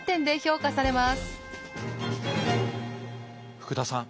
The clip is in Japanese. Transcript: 福田さん。